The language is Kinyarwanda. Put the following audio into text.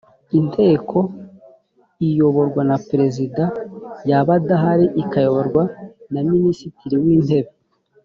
inteko iyoborwa na perezida yaba adahari ikayoborwa minisitiri w’ intebe